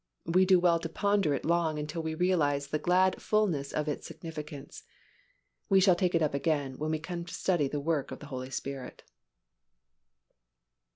We do well to ponder it long until we realize the glad fullness of its significance. We shall take it up again when we come to study the work of the Holy Spirit.